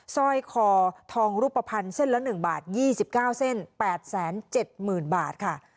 สร้อยคอทองรูปภัณฑ์เส้นละ๑บาท๒๙เส้น๘๗๐๐๐บาทค่ะ